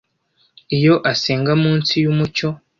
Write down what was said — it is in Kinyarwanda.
Iyo asenga munsi yumucyo